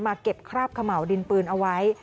เก็บคราบเขม่าวดินปืนเอาไว้